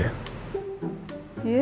sayang banget dulu ya